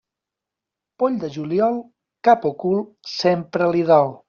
Poll de juliol, cap o cul sempre li dol.